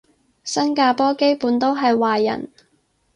新加坡基本都係華人